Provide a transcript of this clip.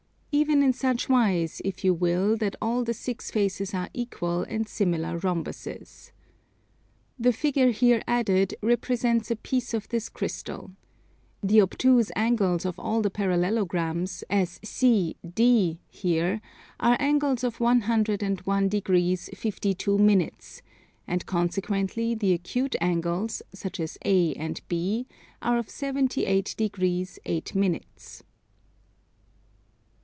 Even in such wise, if you will, that all the six faces are equal and similar rhombuses. The figure here added represents a piece of this Crystal. The obtuse angles of all the parallelograms, as C, D, here, are angles of 101 degrees 52 minutes, and consequently the acute angles, such as A and B, are of 78 degrees 8 minutes.